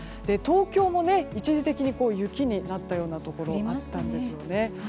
東京も一時的に雪になったようなところもあったんですよね。